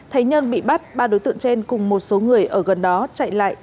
thấy nhân bị bắt ba đối tượng trên cùng một số người ở gần đó chạy lại